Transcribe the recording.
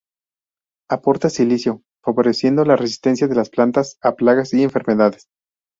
Aporta silicio, favoreciendo la resistencia de las plantas a plagas y enfermedades.